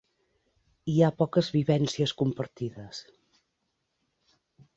Hi ha poques vivències compartides.